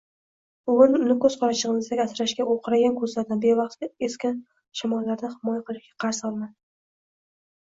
Bugun uni koʻz qorachigʻimdek asrashga, oʻqraygan koʻzlardan, bevaqt esgan shamollardan himoya qilishga qarzdorman…